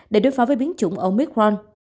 để đối phó với biến chủng omikron